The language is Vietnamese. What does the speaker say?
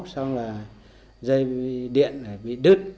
xong là dây điện bị đứt